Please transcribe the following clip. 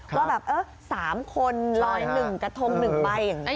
ว่าแบบ๓คนลอย๑กระทง๑ใบ